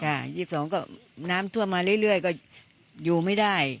ค่ะยี่สิบสองก็น้ำทั่วมาเรื่อยเรื่อยก็อยู่ไม่ได้